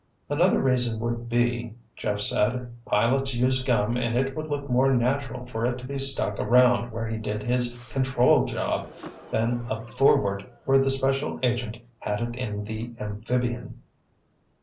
"Another reason would be," Jeff said, "pilots use gum and it would look more natural for it to be stuck around where he did his control job than up forward, where the special agent had it in the amphibian."